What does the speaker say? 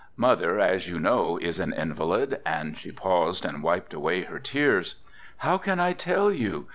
Mother, as you know, is an invalid, and, she paused and wiped away her tears. How can I tell you?